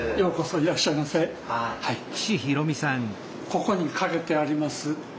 ここに掛けてあります